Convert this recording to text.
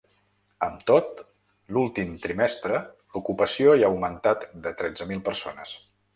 Amb tot, l’últim trimestre l’ocupació hi ha augmentat de tretze mil persones.